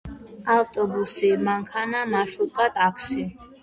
ავტობუსი, მანქანა, მარშუტკა, ტაქსი.